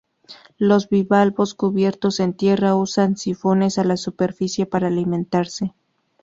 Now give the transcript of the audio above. Los bivalvos cubiertos en tierra usan sifones a la superficie para alimentarse.